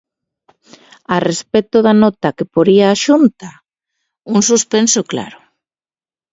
A respecto da nota que poría á Xunta: un suspenso claro.